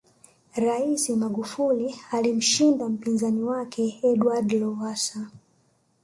raisi magufuli alimshinda mpinzani wake edward lowasa